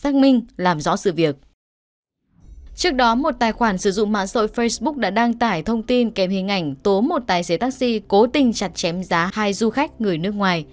trước đó một tài khoản sử dụng mạng xã hội facebook đã đăng tải thông tin kèm hình ảnh tố một tài xế taxi cố tình chặt chém giá hai du khách người nước ngoài